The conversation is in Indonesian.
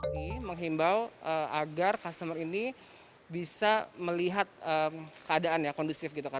kita menghimbau agar customer ini bisa melihat keadaan kondusif